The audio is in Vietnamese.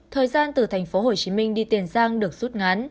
thời gian từ tp hcm đi tiền giang được rút ngắn